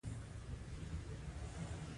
دا حکم له ټولنې او دولت څخه غوښتنه کوي.